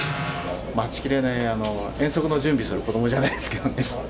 待ちきれない、遠足の準備する子どもじゃないですけどね。